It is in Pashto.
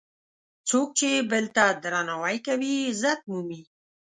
څوک چې بل ته درناوی کوي، عزت مومي.